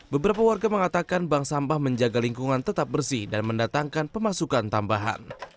beberapa warga mengatakan bank sampah menjaga lingkungan tetap bersih dan mendatangkan pemasukan tambahan